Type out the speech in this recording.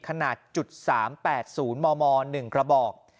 ขนาด๓๘๐มม๑กระบอก